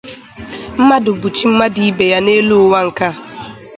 Mmadụ bụ Chi mmadụ ibe ya n’elu-ụwa nke a.